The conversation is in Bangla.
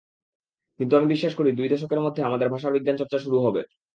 কিন্তু আমি বিশ্বাস করি দুই দশকের মধ্যে আমাদের ভাষায় বিজ্ঞানচর্চা শুরু হবে।